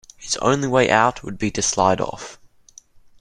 His only way out would be to slide off.